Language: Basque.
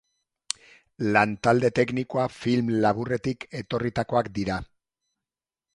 Lan talde teknikoa film laburretik etorritakoak dira.